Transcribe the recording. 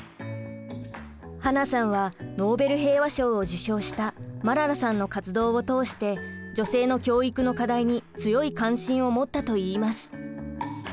英さんはノーベル平和賞を受賞したマララさんの活動を通して女性の教育の課題に強い関心を持ったといいます。